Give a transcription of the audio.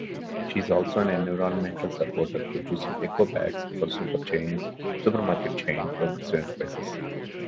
She is also an environmental supporter, producing eco bags for supermarket chain Progressive Enterprises.